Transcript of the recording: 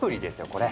これ。